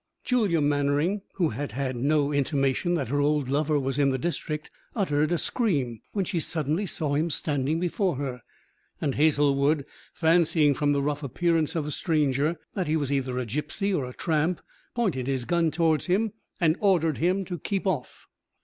Julia Mannering, who had had no intimation that her old lover was in the district, uttered a scream when she suddenly saw him standing before her; and Hazlewood, fancying from the rough appearance of the stranger that he was either a gipsy or a tramp, pointed his gun towards him, and ordered him to keep off.